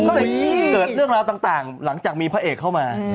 ก็เลยเกิดเรื่องราวต่างหลังจากมีพระเอกเข้ามา